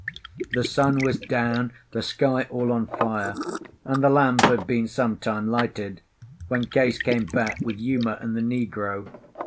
The sun was down, the sky all on fire, and the lamp had been some time lighted, when Case came back with Uma and the negro.